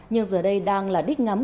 nhưng giờ đây đang là đích ngắm